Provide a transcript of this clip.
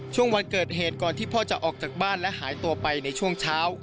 ช่วงวันเกิดเหตุก่อนที่พ่อจะออกจากบ้านและหายตัวไปในช่วงเช้า